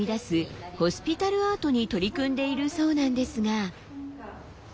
アートに取り組んでいるそうなんですが。